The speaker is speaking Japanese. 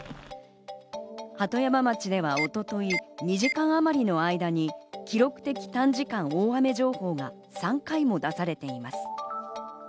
鳩山町では一昨日、２時間あまりの間に記録的短時間大雨情報が３回も出されています。